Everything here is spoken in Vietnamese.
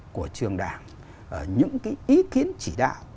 của trường đảng những cái ý kiến chỉ đạo